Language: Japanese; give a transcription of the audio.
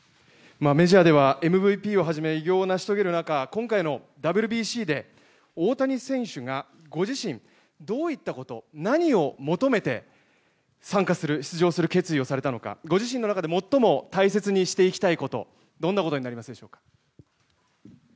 メジャーではＭＶＰをはじめ偉業を成し遂げる中今回のＷＢＣで大谷選手がご自身どういったこと何を求めて参加する、出場する決意をされたのかご自身の中で最も大切にしていきたいことどんなことになりますでしょうか。